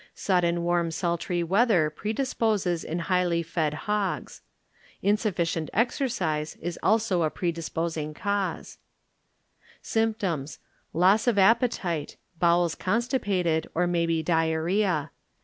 Sudden warm sultry weather predisposes in highly fed hogs. Insufficient exercise is also a pre disposing cause. Symptoms. ŌĆö Loss of appetite, bowels constipated, or maybe diarrhcea.